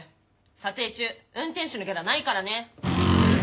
撮影中運転手のギャラないからね。